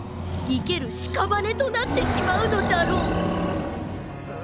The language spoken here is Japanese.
いけるしかばねとなってしまうのだろう」。